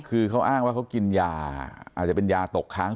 คือเขาอ้างว่าเขากินยาอาจจะเป็นยาตกค้าง